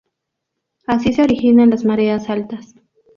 Así se originan las mareas altas.